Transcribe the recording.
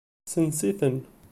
Senset-ten.